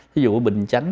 ví dụ ở bình chánh